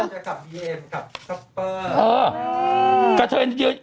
เออผู้